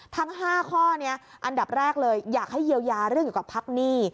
ทั้ง๕ข้อนี้อันดับแรกเลยอยากให้เยียวยาเรื่องเกี่ยวกับพักหนี้